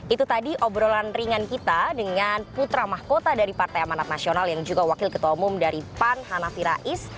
itu tadi obrolan ringan kita dengan putra mahkota dari partai amanat nasional yang juga wakil ketua umum dari pan hanafi rais